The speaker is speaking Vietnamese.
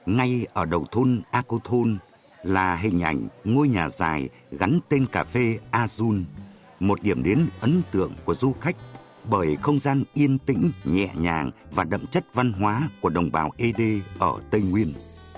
ngay ở đầu thôn acon là hình ảnh ngôi nhà dài gắn tên cà phê azun một điểm đến ấn tượng của du khách bởi không gian yên tĩnh nhẹ nhàng và đậm chất văn hóa của đồng bào ed ở tây nguyên